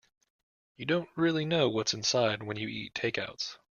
You don't really know what's inside when you eat takeouts.